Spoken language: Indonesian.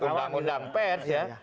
tapi masih ada undang undang pes ya